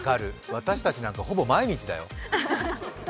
私たちなんか毎日だよ。